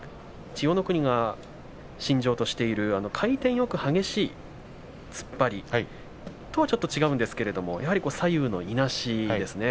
千代の国が身上としている回転よく激しい突っ張りとはちょっと違うんですがやはり左右のいなしですね